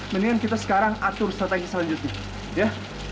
mendingan kita sekarang atur strategi selanjutnya ya